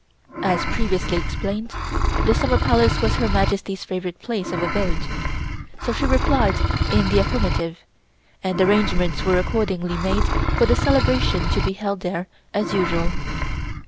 As previously explained the Summer Palace was Her Majesty's favorite place of abode; so she replied in the affirmative and arrangements were accordingly made for the celebration to be held there as usual.